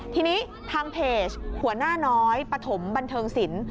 ทีนี้ทางเพจหัวหน้าน้อยปฐมบันเทิงศิลป